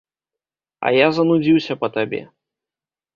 А я занудзіўся па табе.